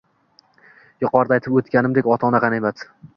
Yuqorida aytib o‘tganimdek, ota-ona – g‘animat.